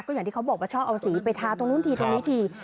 อย่างที่เขาบอกว่าชอบเอาสีไปทาตรงนู้นทีตรงนี้ที